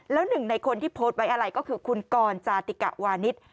แล้วหนึ่งในคนที่โพสต์ไว้อะไรก็คือคุณกรจาติกะวานิส